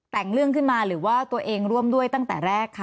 แต่งเรื่องขึ้นมาหรือว่าตัวเองร่วมด้วยตั้งแต่แรกคะ